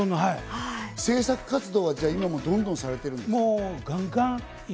制作活動は今もどんどんされてるんですか？